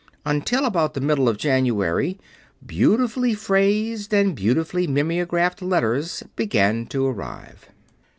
Until, about the middle of January, beautifully phrased and beautifully mimeographed letters began to arrive.